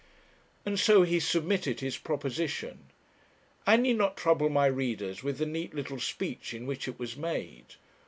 And so he submitted his proposition. I need not trouble my readers with the neat little speech in which it was made.